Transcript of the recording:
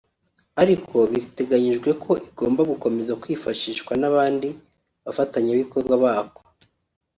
ariko biteganyijwe ko igomba gukomeza kwifashishwa n’abandi bafatanyabikorwa bako